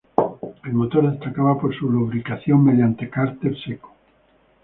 El motor destacaba por su lubricación mediante cárter seco.